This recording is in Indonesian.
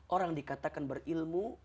orang dikatakan berilmu